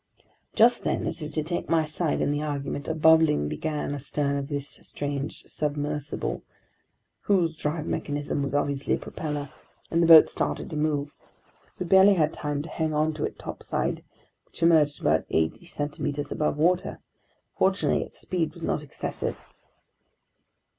Just then, as if to take my side in the argument, a bubbling began astern of this strange submersible—whose drive mechanism was obviously a propeller—and the boat started to move. We barely had time to hang on to its topside, which emerged about eighty centimeters above water. Fortunately its speed was not excessive.